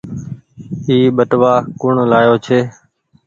اي ٻٽوآ ڪوڻ لآيو ڇي۔